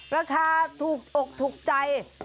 ราคาถูกอกถูกใจ